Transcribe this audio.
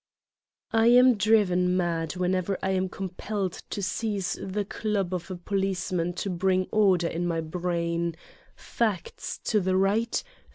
I am driven mad whenever I am compelled to seize the club of a policeman to bring order in my brain: facts, to the right!